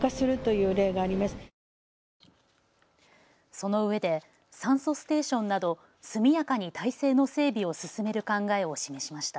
そのうえで酸素ステーションなど速やかに体制の整備を進める考えを示しました。